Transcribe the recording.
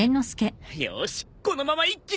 よしこのまま一気に！